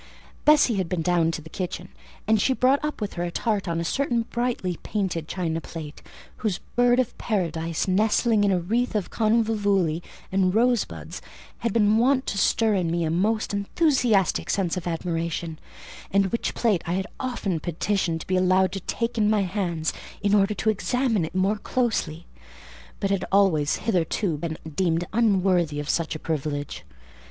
Bessie had been down into the kitchen, and she brought up with her a tart on a certain brightly painted china plate, whose bird of paradise, nestling in a wreath of convolvuli and rosebuds, had been wont to stir in me a most enthusiastic sense of admiration; and which plate I had often petitioned to be allowed to take in my hand in order to examine it more closely, but had always hitherto been deemed unworthy of such a privilege.